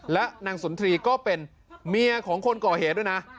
และนางสุนทรีย์ก็เป็นเมียของคนก่อเหตุด้วยนะ